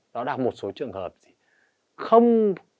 đó là một số trường hợp không